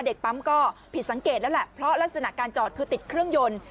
เด็กปั๊มก็ผิดสังเกตแล้วแหละเพราะลักษณะการจอดคือติดเครื่องยนต์